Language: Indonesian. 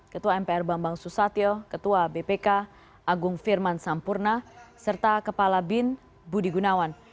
ketua mpr bambang susatyo ketua bpk agung firman sampurna serta kepala bin budi gunawan